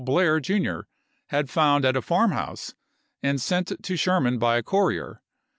Blair, Jr., had found at a farmhouse and sent to Sherman by a courier.